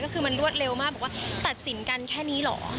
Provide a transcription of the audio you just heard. ก็คือมันรวดเร็วมากบอกว่าตัดสินกันแค่นี้เหรอ